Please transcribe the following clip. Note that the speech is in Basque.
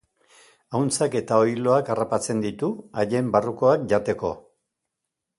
Ahuntzak eta oiloak harrapatzen ditu, haien barrukoak jateko.